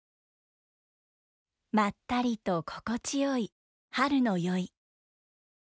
まったりと心地よい春の宵。